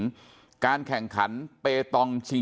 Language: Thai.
คุณยายบอกว่ารู้สึกเหมือนใครมายืนอยู่ข้างหลัง